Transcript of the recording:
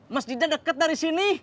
masjidnya deket dari sini